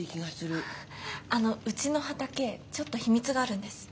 あのうちの畑ちょっと秘密があるんです。